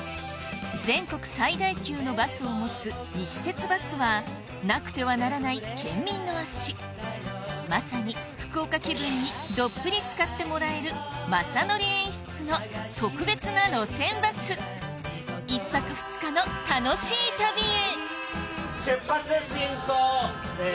全国最大級のバスを持つ西鉄バスはなくてはならない県民の足まさに福岡気分にどっぷりつかってもらえるまさのり演出の特別な路線バス１泊２日の楽しい旅へ！